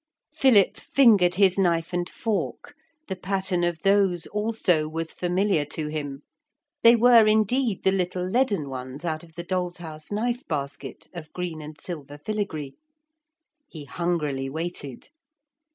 Philip fingered his knife and fork; the pattern of those also was familiar to him. They were indeed the little leaden ones out of the dolls' house knife basket of green and silver filagree. He hungrily waited.